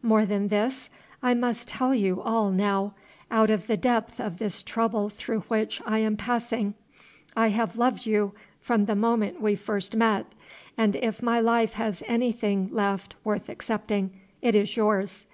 More than this. I must tell you all now, out of the depth of this trouble through which I am passing. I have loved you from the moment we first met; and if my life has anything left worth accepting, it is yours.